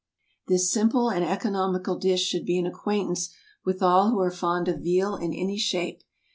This simple and economical dish should be an acquaintance with all who are fond of veal in any shape.